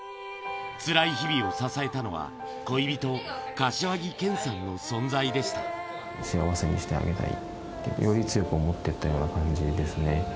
つらい日々を支えたのは、恋人、幸せにしてあげたいって、より強く思っていったような感じですね。